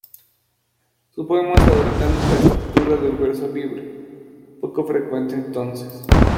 Sus poemas adoptan la estructura de verso libre, poco frecuente entonces.